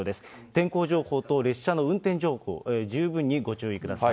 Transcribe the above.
天候情報と列車の運転情報、十分にご注意ください。